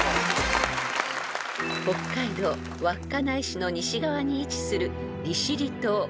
［北海道稚内市の西側に位置する利尻島］